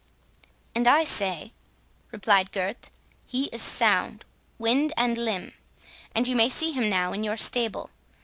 "And I say," replied Gurth, "he is sound, wind and limb; and you may see him now, in your stable.